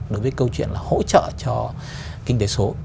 đối với câu chuyện là hỗ trợ cho kinh tế số